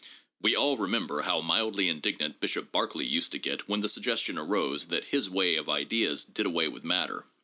We all remember how mildly indignant Bishop Berkeley used to get when the suggestion arose that his way of ideas did away with matter.